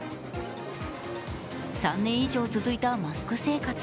３年以上続いたマスク生活。